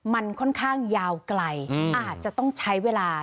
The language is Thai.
มันค่อนข้างยาวไกลอาจจะต้องใช้เวลา